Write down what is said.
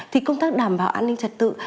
thì công tác đảm bảo an ninh trật tự